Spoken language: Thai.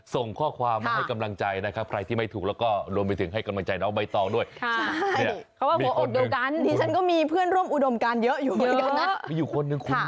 ส่งข้อความมาให้กำลังใจใครที่ไม่ถูกเราก็รวมไปถึง